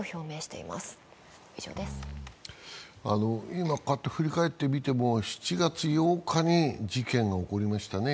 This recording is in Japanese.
今こうやって振り返ってみても、７月８日に事件が起こりましたね。